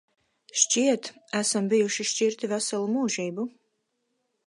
Šķiet, esam bijuši šķirti veselu mūžību.